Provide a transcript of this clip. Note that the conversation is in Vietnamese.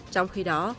trong khi đó